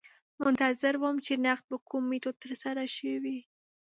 منتظر وم چې نقد په کوم میتود ترسره شوی.